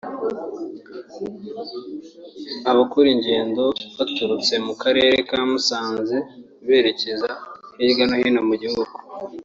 Abakora ingendo baturutse mu karere ka Musanze berekeza hirya no hino mu gihugu